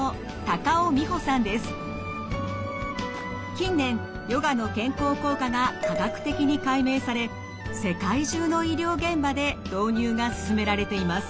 近年ヨガの健康効果が科学的に解明され世界中の医療現場で導入が進められています。